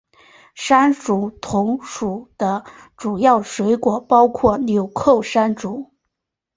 山竹同属的主要水果包括钮扣山竹。